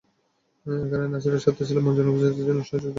এখানেও নাছিরের শর্ত ছিল মনজুরের অনুপস্থিতিতে তিনি অনুষ্ঠানে যোগ দেবেন না।